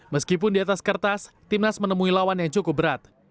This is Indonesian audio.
meskipun di atas kertas timnas menemui lawan yang cukup berat